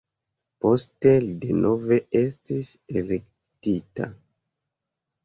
Poste li denove estis elektita.